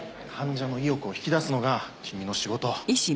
患者の意欲を引き出すのが君の仕事。